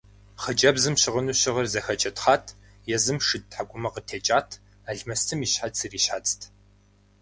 Хъыджэбзым щыгъыну щыгъыр зэхэчэтхъат, езым шыд тхьэкӀумэ къытекӀат, алмэстым и щхьэцыр и щхьэцт.